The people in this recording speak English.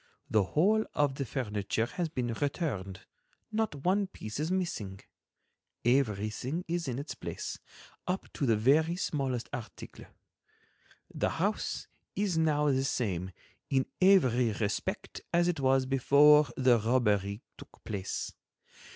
The whole of the furniture has been returned, not one piece is missing—everything is in its place, up to the very smallest article. The house is now the same in every respect as it was before the robbery took place.